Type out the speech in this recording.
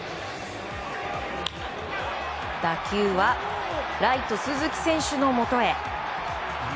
打球はライト、鈴木選手のもとへ！